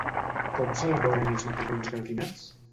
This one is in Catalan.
Com s'elaboren els macarrons gratinats?